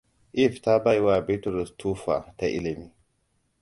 Eve ta bai wa Bitrusu tuffa ta ilimi.